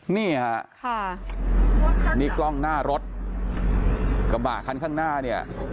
นี่ค่ะนี่กล้องหน้ารถกระบะคันข้างหน้าเนี่ย